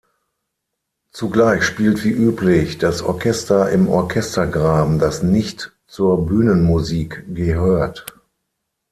Zugleich spielt wie üblich das Orchester im Orchestergraben, das nicht zur Bühnenmusik gehört.